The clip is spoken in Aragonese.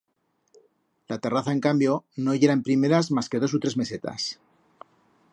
La terraza, en cambio, no yera en primeras mas que dos u tres mesetas.